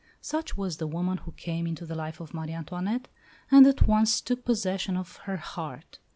Such was the woman who came into the life of Marie Antoinette, and at once took possession of her heart.